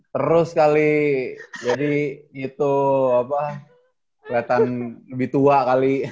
terus kali jadi itu apa kelihatan lebih tua kali